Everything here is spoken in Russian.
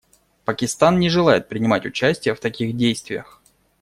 Пакистан не желает принимать участие в таких действиях.